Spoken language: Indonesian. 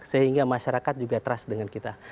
sehingga masyarakat juga trust dengan kita